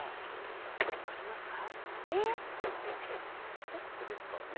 スコップですからね。